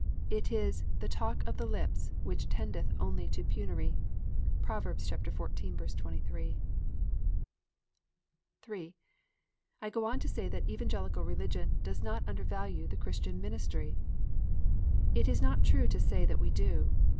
It is " the talk of the lips, which tendeth only to penury." (Prov. xiv. 23.) (3) I go on to say that Evangelical Religion does not under value the Christian ministry. It is not true to say that we do.